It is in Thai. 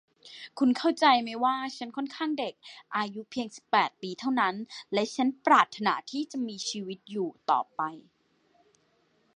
คุณเข้าใจไหมว่าฉันค่อนข้างเด็ก อายุเพียงสิบแปดปีเท่านั้น และฉันปรารถนาที่จะมีชีวิตอยู่ต่อไป